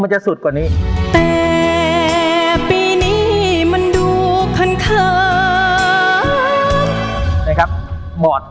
มารวมปิดทอง